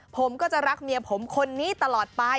ผมก็จะรักเมียผมคนนี้ตลอดไป